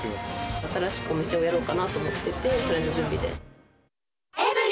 新しく店をやろうかなと思ってて、それの準備で。